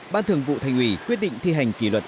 ban thường vụ thành ủy quyết định thi hành kỷ luật